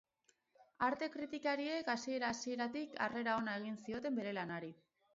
Arte-kritikariek hasiera-hasieratik harrera ona egin zioten bere lanari.